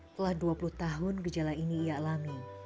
telah dua puluh tahun gejala ini ia alami